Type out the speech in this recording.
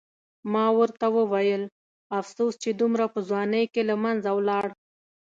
ما ورته وویل: افسوس چې دومره په ځوانۍ کې له منځه ولاړ.